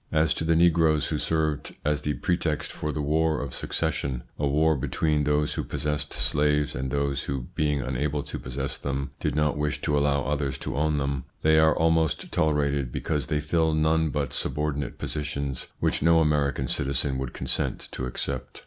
As to the negroes who served as the pretext for the War of Succession a war between those who possessed slaves, and those who, being unable to possess them, did not wish to allow others to own them they are almost tolerated because they fill none but subordinate positions which no American citizen would consent to accept.